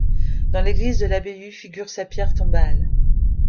Dans l'église de l'abbaye figure sa pierre tombale.